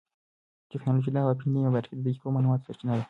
ټیکنالوژي د هوا پېژندنې په برخه کې د دقیقو معلوماتو سرچینه ده.